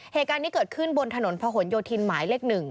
เหตุการณ์นี้เกิดขึ้นบนถนนพะหนโยธินหมายเลข๑